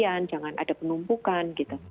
ada penumpukan gitu